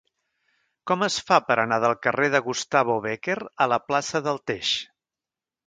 Com es fa per anar del carrer de Gustavo Bécquer a la plaça del Teix?